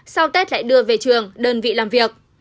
sau tết lại đưa về trường đơn vị làm việc